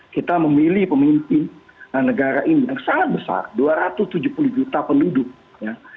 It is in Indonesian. kita memilih pemimpin negara ini yang sangat besar dua ratus tujuh puluh juta penduduk ya